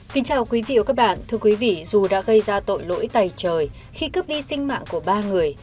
kính chào quý vị và các bạn thưa quý vị dù đã gây ra tội lỗi tầy trời khi cướp đi sinh mạng của ba người